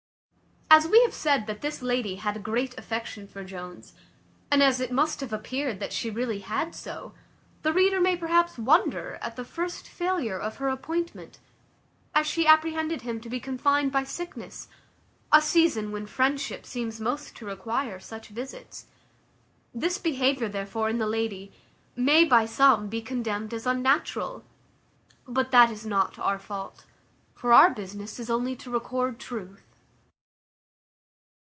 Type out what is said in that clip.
As we have said that this lady had a great affection for Jones, and as it must have appeared that she really had so, the reader may perhaps wonder at the first failure of her appointment, as she apprehended him to be confined by sickness, a season when friendship seems most to require such visits. This behaviour, therefore, in the lady, may, by some, be condemned as unnatural; but that is not our fault; for our business is only to record truth.